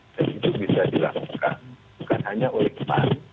dan itu bisa dilakukan bukan hanya oleh pan